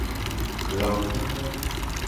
Lamumu.